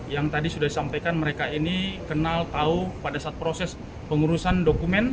yang tadi sudah disampaikan mereka ini kenal tahu pada saat proses pengurusan dokumen